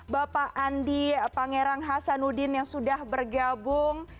bapak andi pangerang hasanuddin yang sudah bergabung